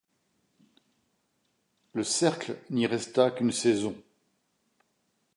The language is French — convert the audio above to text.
Le cercle n’y resta qu’une saison.